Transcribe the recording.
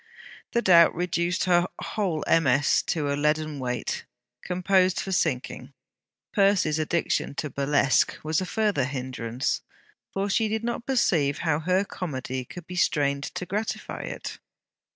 The doubt reduced her whole MS. to a leaden weight, composed for sinking. Percy's addiction to burlesque was a further hindrance, for she did not perceive how her comedy could be strained to gratify it.